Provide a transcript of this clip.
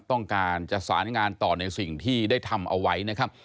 ต้องการจะสารงานต่อในสิ่งที่ได้ทำเอาไว้นะครับ